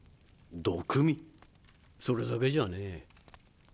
毒味⁉それだけじゃねえ。